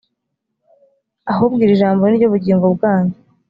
ahubwo iri jambo ni ryo bugingo bwanyu,